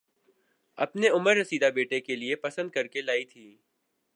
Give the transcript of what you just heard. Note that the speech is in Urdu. اپنے عمر رسیدہ بیٹے کےلیے پسند کرکے لائی تھیں